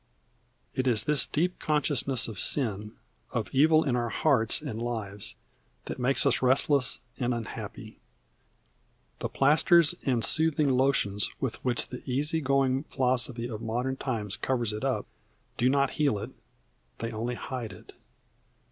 It is this deep consciousness of sin, of evil in our hearts and lives, that makes us restless and unhappy. The plasters and soothing lotions with which the easy going philosophy of modern times covers it up, do not heal it; they only hide it.